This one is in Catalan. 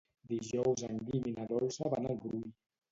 Dijous en Guim i na Dolça van al Brull.